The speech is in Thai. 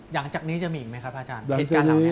หลังจากนี้จะมีอีกไหมครับอาจารย์เหตุการณ์เหล่านี้